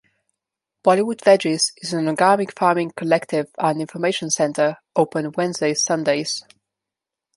Bollywood Veggies is an organic farming collective and information centre open Wednesdays - Sundays.